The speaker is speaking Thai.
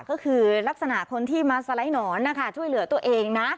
ก็คือลักษณะคนที่มาสไลด์หนอนนะคะช่วยเหลือตัวเองนะ